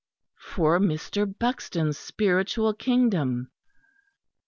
For Mr. Buxton's spiritual kingdom!